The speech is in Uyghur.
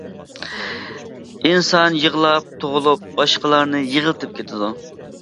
ئىنسان يىغلاپ تۇغۇلۇپ، باشقىلارنى يىغلىتىپ كېتىدۇ.